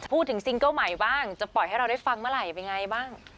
ซิงเกิ้ลใหม่บ้างจะปล่อยให้เราได้ฟังเมื่อไหร่เป็นไงบ้าง